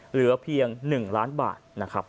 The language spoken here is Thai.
เหลือเพียง๑ล้านบาท